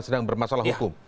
yang sedang bermasalah hukum